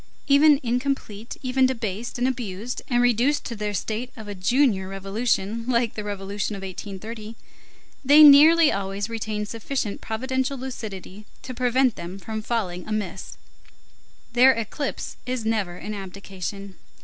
Even incomplete, even debased and abused and reduced to the state of a junior revolution like the Revolution of 1830, they nearly always retain sufficient providential lucidity to prevent them from falling amiss. Their eclipse is never an abdication.